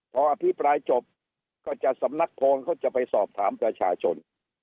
พออภิปรายจบก็จะสำนักโพลเขาจะไปสอบถามประชาชน